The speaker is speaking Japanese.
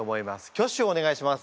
挙手をお願いします。